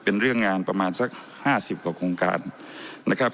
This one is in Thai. เป็นเรื่องงานประมาณสัก๕๐กว่าโครงการนะครับ